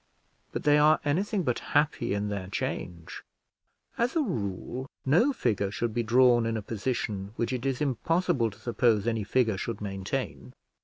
But they are anything but happy in their change. As a rule, no figure should be drawn in a position which it is impossible to suppose any figure should maintain.